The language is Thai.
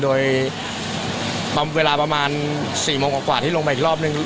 โดยประมาณ๔โมงกว่าที่ลงไปอีกรอบนึง